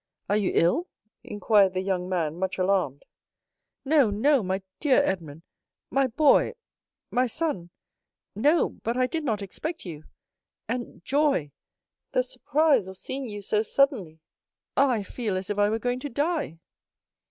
Are you ill?" inquired the young man, much alarmed. "No, no, my dear Edmond—my boy—my son!—no; but I did not expect you; and joy, the surprise of seeing you so suddenly—Ah, I feel as if I were going to die."